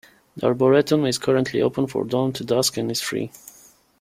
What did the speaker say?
The Arboretum is currently open from dawn to dusk and is free.